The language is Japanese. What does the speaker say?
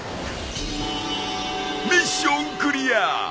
ミッションクリア。